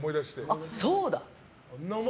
あ、そうだ！